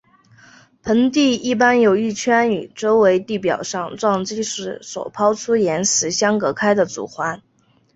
盆地一般有一圈与周边地表上撞击时所抛出岩石相隔开的主环。